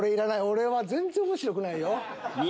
俺は全然面白くないよ。